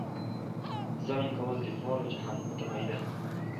ظلم کول د دواړو جهانونو تباهي ده.